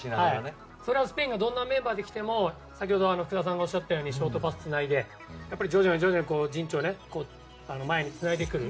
それは、スペインがどんなメンバーで来ても先ほど、福田さんがおっしゃったようにショートパスをつなぎ徐々に徐々に陣地を前につないでくる。